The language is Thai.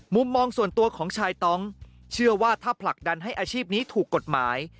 มุมมองส่วนตัวของชายต้องเชื่อว่าถ้าผลักดันให้อาชีพนี้ถูกกฎหมาย